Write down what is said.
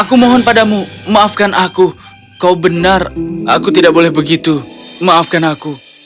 aku mohon padamu maafkan aku kau benar aku tidak boleh begitu maafkan aku